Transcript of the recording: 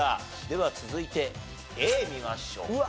では続いてＡ見ましょう。